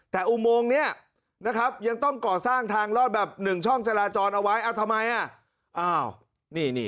แต่อุโมงนี้นะครับยังต้องก่อสร้างทางรอดแบบ๑ช่องจราจรเอาไว้ทำไม